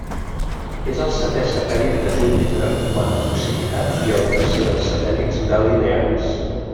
És el setè satèl·lit de Júpiter quant a proximitat i el tercer dels satèl·lits galileans.